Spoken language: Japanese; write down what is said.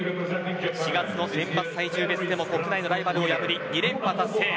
４月の選抜体重別でも国内のライバルを破り２連覇達成。